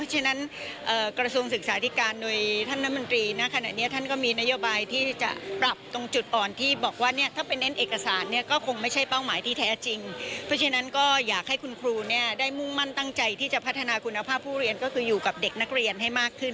ให้มีศักยภาพมากขึ้นค่ะ